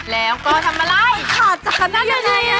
แล้วก็ทำอะไร